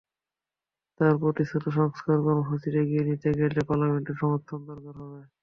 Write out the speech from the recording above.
তাঁর প্রতিশ্রুত সংস্কার কর্মসূচির এগিয়ে নিতে গেলে পার্লামেন্টের সমর্থন দরকার হবে।